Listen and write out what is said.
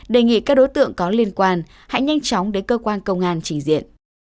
đề nghị các đối tượng có liên quan hãy nhanh chóng đến cơ quan công an trình diện